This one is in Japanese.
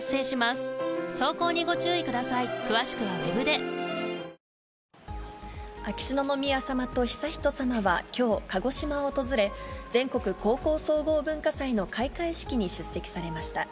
「アサヒスーパードライ」秋篠宮さまと悠仁さまはきょう、鹿児島を訪れ、全国高校総合文化祭の開会式に出席されました。